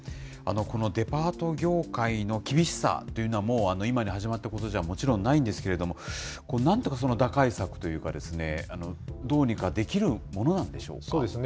このデパート業界の厳しさというのはもう今に始まったことじゃもちろんないんですけれども、なんとか打開策というか、どうにそうですね。